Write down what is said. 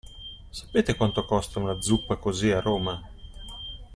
Sapete quanto costa una zuppa così a Roma?